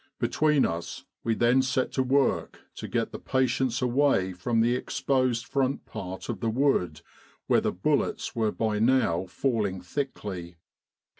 Between us we then set to work to get the patients away from the exposed front part of the wood, where the bullets were by now falling thickly.